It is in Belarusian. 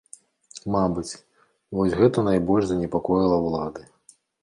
Мабыць, вось гэта найбольш занепакоіла ўлады.